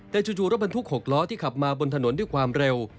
แต่จู่รถบรรทุก๖ล้อที่ขับมาบนถนนด้วยความเร็ว